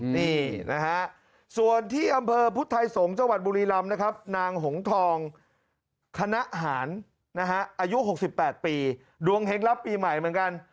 นี่นะฮะส่วนที่อำเภอพุทธไทยสงศ์จังหวัดบุรีรำนะครับนางหงทองคณะหารนะฮะอายุ๖๘ปีดวงเฮงรับปีใหม่เหมือนกัน